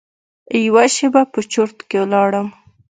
یوه شېبه په چرت کې لاړم.